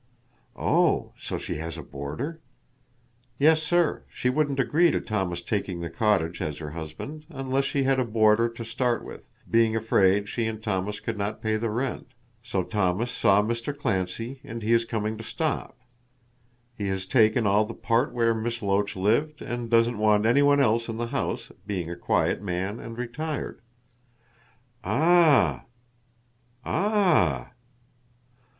"Oh. So she has a boarder?" "Yes, sir. She wouldn't agree to Thomas taking the cottage as her husband, unless she had a boarder to start with, being afraid she and Thomas could not pay the rent. So Thomas saw Mr. Clancy and he is coming to stop. He has taken all the part where Miss Loach lived, and doesn't want anyone else in the house, being a quiet man and retired." "Ah! Ah!